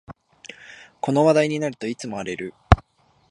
この話題になるといつも荒れる